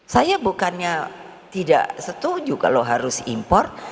saya bukannya tidak setuju kalau harus impor